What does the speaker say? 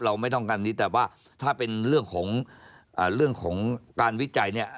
ไม่ต้องการนี้แต่ว่าถ้าเป็นเรื่องของเรื่องของการวิจัยเนี่ย